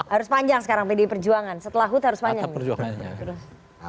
harus panjang sekarang pdi perjuangan setelah hut harus panjang